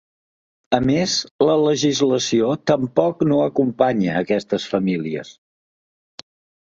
A més, la legislació ‘tampoc no acompanya’ aquestes famílies.